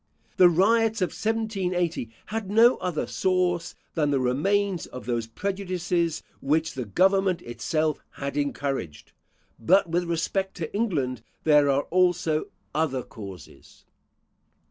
The riots of 1780 had no other source than the remains of those prejudices which the government itself had encouraged. But with respect to England there are also other causes.